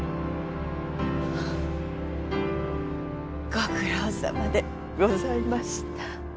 ご苦労さまでございました。